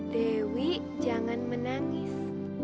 dewi jangan menangis